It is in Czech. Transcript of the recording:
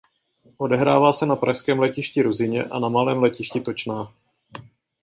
Odehrává se na pražském letišti Ruzyně a na malém letišti Točná.